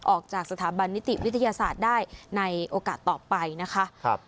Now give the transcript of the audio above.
ออกจากสถาบันนิติวิทยาศาสตร์ได้ในโอกาสต่อไปนะคะ